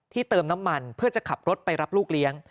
เติมน้ำมันเพื่อจะขับรถไปรับลูกเลี้ยง